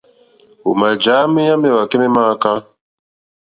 Ò màjǎ méyá méwàkɛ́ mé mááká.